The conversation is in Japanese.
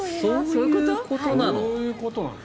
そういうことなの？